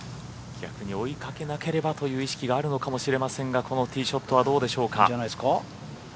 逆に追いかけなければという意識があるかもしれませんがこのティーショットはどうでしょうか。